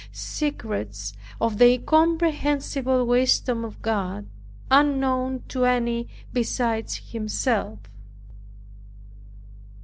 Secrets of the incomprehensible wisdom of God, unknown to any besides Himself!